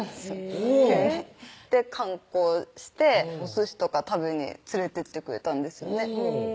ほうで観光しておすしとか食べに連れてってくれたんですよね